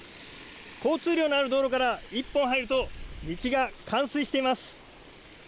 交通量のある道路から１本入ると道が冠水しています。